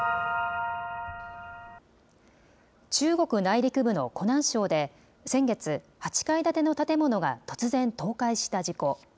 中国内陸部の湖南省で先月、８階建ての建物が突然倒壊した事故。